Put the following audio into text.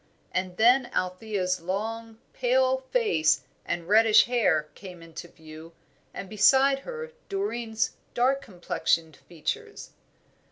And then Althea's long, pale face and reddish hair came into view, and beside her Doreen's dark complexioned features.